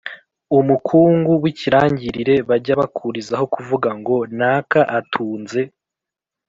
umukungu w’ikirangirire bajya bakurizaho kuvuga ngo naka atunze